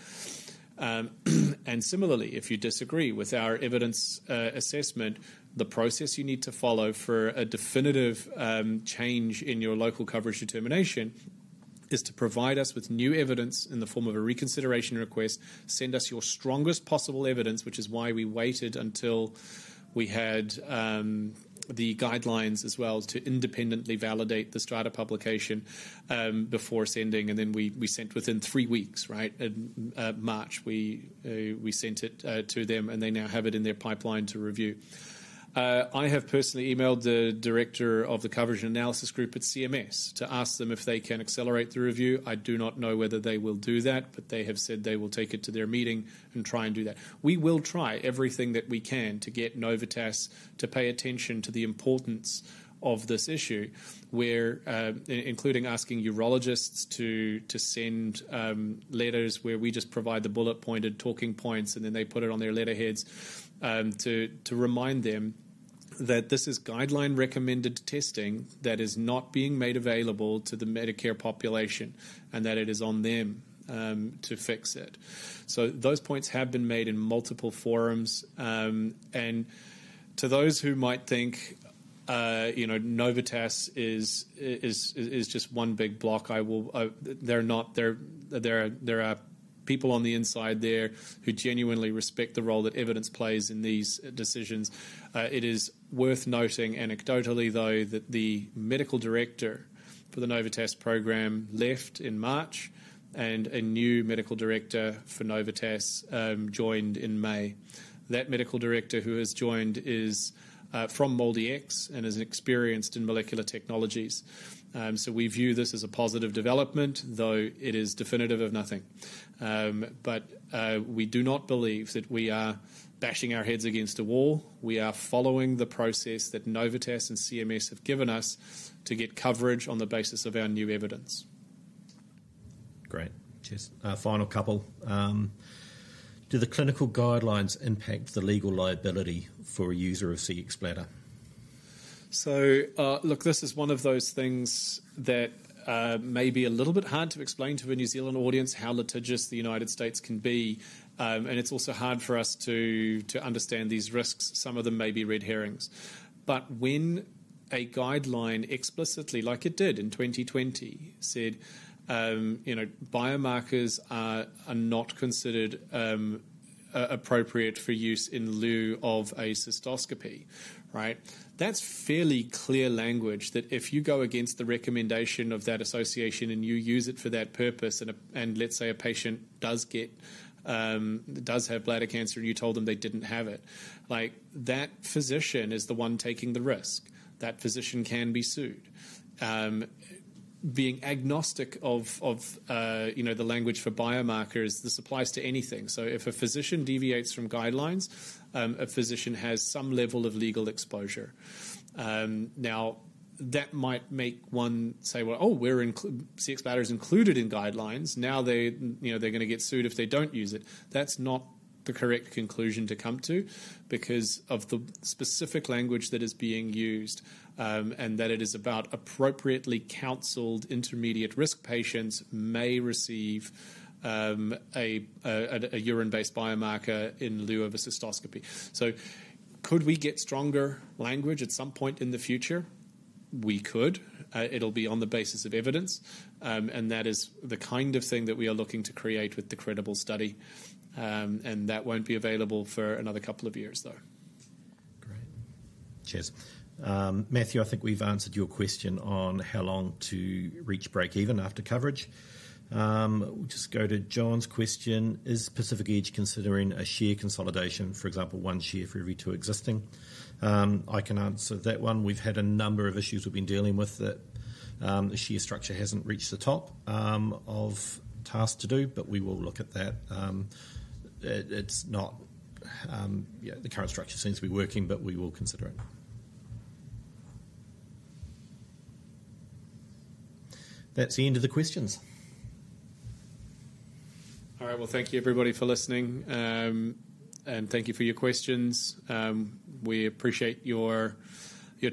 Similarly, if you disagree with our evidence assessment, the process you need to follow for a definitive change in your local coverage determination is to provide us with new evidence in the form of a reconsideration request, send us your strongest possible evidence, which is why we waited until we had the guidelines as well to independently validate the Strata publication before sending. We sent it within three weeks, right? In March, we sent it to them, and they now have it in their pipeline to review. I have personally emailed the director of the coverage and analysis group at CMS to ask them if they can accelerate the review. I do not know whether they will do that, but they have said they will take it to their meeting and try and do that. We will try everything that we can to get Novitas to pay attention to the importance of this issue, including asking urologists to send letters where we just provide the bullet-pointed talking points, and then they put it on their letterheads to remind them that this is guideline-recommended testing that is not being made available to the Medicare population and that it is on them to fix it. Those points have been made in multiple forums. To those who might think Novitas is just one big block, there are people on the inside there who genuinely respect the role that evidence plays in these decisions. It is worth noting anecdotally, though, that the medical director for the Novitas program left in March, and a new medical director for Novitas joined in May. That medical director who has joined is from MaldiX and is experienced in molecular technologies. We view this as a positive development, though it is definitive of nothing. We do not believe that we are bashing our heads against a wall. We are following the process that Novitas and CMS have given us to get coverage on the basis of our new evidence. Great. Cheers. Final couple. Do the clinical guidelines impact the legal liability for a user of Cxbladder? Look, this is one of those things that may be a little bit hard to explain to a New Zealand audience, how litigious the United States can be. It's also hard for us to understand these risks. Some of them may be red herrings. When a guideline explicitly, like it did in 2020, said biomarkers are not considered appropriate for use in lieu of a cystoscopy, right? That's fairly clear language that if you go against the recommendation of that association and you use it for that purpose, and let's say a patient does have bladder cancer and you told them they didn't have it, that physician is the one taking the risk. That physician can be sued. Being agnostic of the language for biomarkers, this applies to anything. If a physician deviates from guidelines, a physician has some level of legal exposure. Now, that might make one say, "Oh, Cxbladder is included in guidelines. Now they're going to get sued if they don't use it." That's not the correct conclusion to come to because of the specific language that is being used and that it is about appropriately counseled intermediate risk patients may receive a urine-based biomarker in lieu of a cystoscopy. Could we get stronger language at some point in the future? We could. It'll be on the basis of evidence, and that is the kind of thing that we are looking to create with the credible study. That won't be available for another couple of years, though. Great. Cheers. Matthew, I think we've answered your question on how long to reach break-even after coverage. We'll just go to John's question. Is Pacific Edge considering a share consolidation, for example, one share for every two existing? I can answer that one. We've had a number of issues we've been dealing with that the share structure hasn't reached the top of tasks to do, but we will look at that. The current structure seems to be working, but we will consider it. That's the end of the questions. All right. Thank you, everybody, for listening, and thank you for your questions. We appreciate your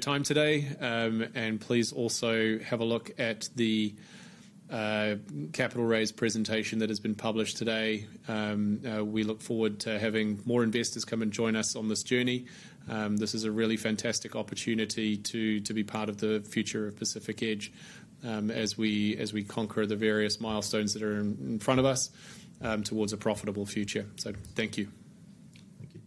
time today. Please also have a look at the capital raise presentation that has been published today. We look forward to having more investors come and join us on this journey. This is a really fantastic opportunity to be part of the future of Pacific Edge as we conquer the various milestones that are in front of us towards a profitable future. Thank you. Thank you.